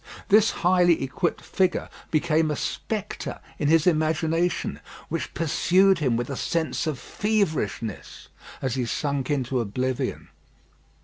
This highly equipped figure became a spectre in his imagination, which pursued him with a sense of feverishness as he sunk into oblivion.